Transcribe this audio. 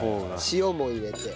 塩も入れて。